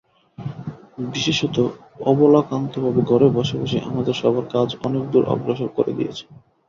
বিশেষত অবলাকান্তবাবু ঘরে বসে বসেই আমাদের সভার কাজ অনেক দূর অগ্রসর করে দিয়েছেন।